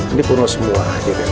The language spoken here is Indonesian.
ini kuno semua